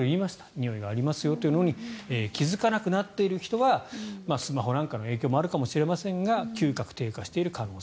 においがあるということに気付かなくなっている人はスマホなんかの影響もあるかもしれませんが嗅覚が低下している可能性。